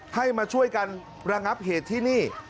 ให้มาช่วยกันระงับเหตุที่นี่